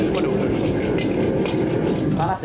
waduh udah keras ya